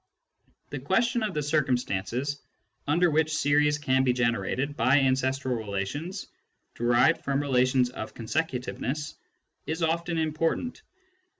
The question of the circumstances under which series can be generated by ancestral relations derived from relations of con secutiveness is often important.